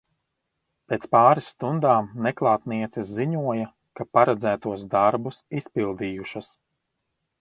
Pēc pāris stundām neklātnieces ziņoja, ka paredzētos darbus izpildījušas.